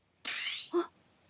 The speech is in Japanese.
あっ。